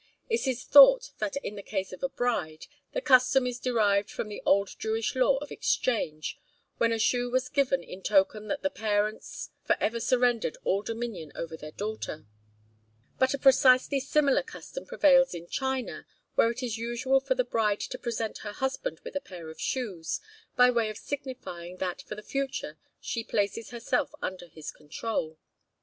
It is thought that in the case of a bride, the custom is derived from the old Jewish law of exchange, when a shoe was given in token that the parents for ever surrendered all dominion over their daughter. But a precisely similar custom prevails in China, where it is usual for the bride to present her husband with a pair of shoes, by way of signifying that for the future she places herself under his control.